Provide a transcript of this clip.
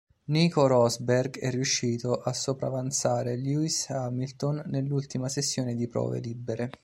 Nico Rosberg è riuscito a sopravanzare Lewis Hamilton nell'ultima sessione di prove libere.